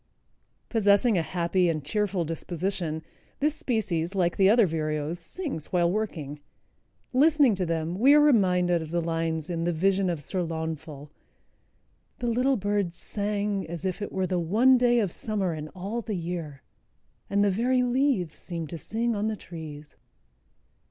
Possessing a happy and cheerful disposition, this species, like the other vireos, sings while working. Listening to them, we are reminded of the lines in "The Vision of Sir Launfal"— "The little birds sang as if it were The one day of summer in all the year, And the very leaves seemed to sing on the trees."